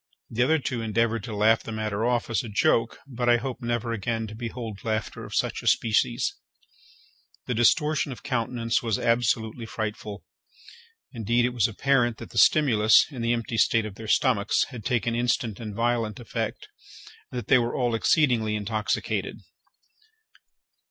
The other two endeavoured to laugh the matter off as a joke, but I hope never again to behold laughter of such a species: the distortion of countenance was absolutely frightful. Indeed, it was apparent that the stimulus, in the empty state of their stomachs, had taken instant and violent effect, and that they were all exceedingly intoxicated.